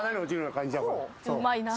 そう。